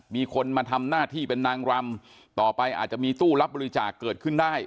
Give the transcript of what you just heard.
มีคนมาทำหน้าที่เป็นนางรำต่อไปอาจจะมีตู้รับบริจาคเกิดขึ้นได้